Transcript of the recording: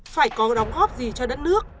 phải có đóng góp gì cho đất nước